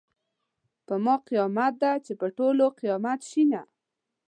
په ما قیامت ده چې په ټولو قیامت شینه .